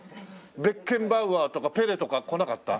ベッケンバウアーとかペレとか来なかった？